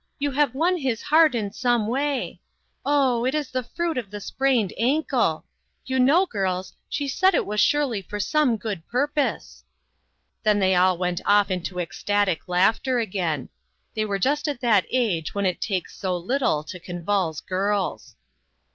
You have won his heart in some way. Oh, it is the fruit of the sprained ankle. You know, girls, she said it was surely for some good purpose." Then they all went off into ecstatic laughter again. They were just at the age when it takes so little to convulse girls. IQ6 INTERRUPTED.